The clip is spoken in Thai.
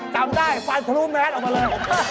จำได้ฟันทะลุแมสออกมาเลย